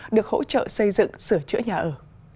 được hỗ trợ xây dựng sửa chữa nhà ở